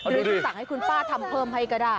หรือจะสั่งให้คุณป้าทำเพิ่มให้ก็ได้